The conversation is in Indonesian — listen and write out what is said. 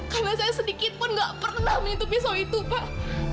karena saya sedikit pun gak pernah menutup pisau itu pak